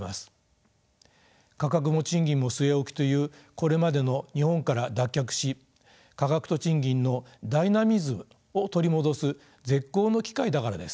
価格も賃金も据え置きというこれまでの日本から脱却し価格と賃金のダイナミズムを取り戻す絶好の機会だからです。